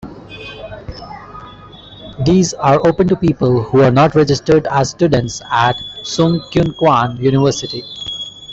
These are open to people who are not registered as students at Sungkyunkwan University.